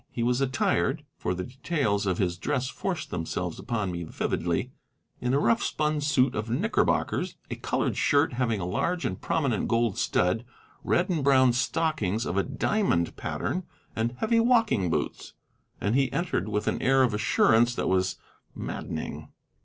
He was attired for the details of his dress forced themselves upon me vividly in a rough spun suit of knickerbockers, a colored shirt having a large and prominent gold stud, red and brown stockings of a diamond pattern, and heavy walking boots. And he entered with an air of assurance that was maddening.